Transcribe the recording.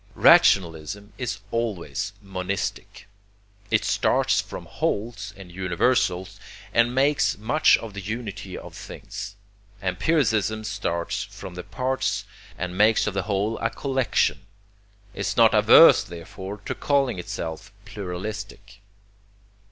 Rationalism is always monistic. It starts from wholes and universals, and makes much of the unity of things. Empiricism starts from the parts, and makes of the whole a collection is not averse therefore to calling itself pluralistic.